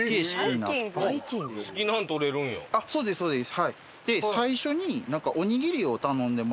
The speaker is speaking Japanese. そうですそうです。